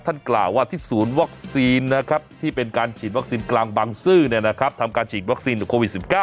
กล่าวว่าที่ศูนย์วัคซีนที่เป็นการฉีดวัคซีนกลางบางซื่อทำการฉีดวัคซีนโควิด๑๙